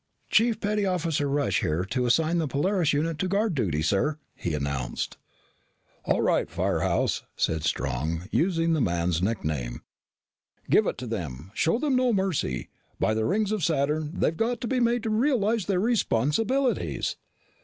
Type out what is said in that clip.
"Chief Petty Officer Rush here to assign the Polaris unit to guard duty, sir," he announced. "All right, Firehouse," said Strong, using the man's nickname. "Give it to them. Show them no mercy. By the rings of Saturn, they've got to be made to realize their responsibilities!"